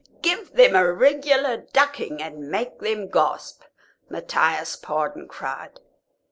"Give them a regular ducking and make them gasp," Matthias Pardon cried.